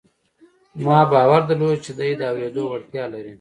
ما باور درلود چې دی د اورېدو وړتیا لري